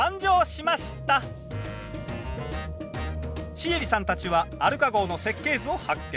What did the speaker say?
シエリさんたちはアルカ号の設計図を発見。